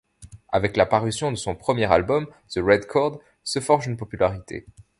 Avec la parution de son premeir album, The Red Chord se forge une popularité.